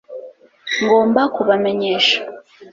ngomba kubamenyesha